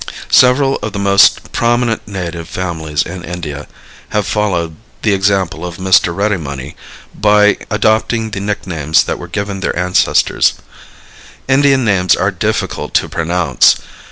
[Illustration: A BOMBAY STREET] Several of the most prominent native families in India have followed the example of Mr. Readymoney by adopting the nicknames that were given their ancestors. Indian names are difficult to pronounce.